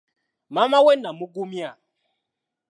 Maama we namugumya.